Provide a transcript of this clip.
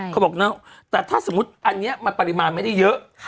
เขาบอกแต่ถ้าสมมุติอันนี้มันปริมาณไม่ได้เยอะ